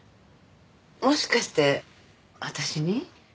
もしかして私に？